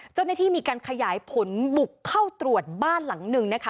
เจ้าหน้าที่มีการขยายผลบุกเข้าตรวจบ้านหลังหนึ่งนะคะ